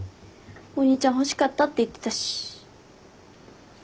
お兄ちゃん欲しかったって言ってたし。